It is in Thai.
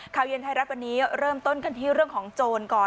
ข่าวเย็นไทยรัฐวันนี้เริ่มต้นกันที่เรื่องของโจรก่อน